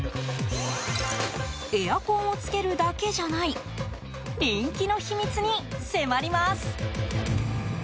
エアコンをつけるだけじゃない人気の秘密に迫ります。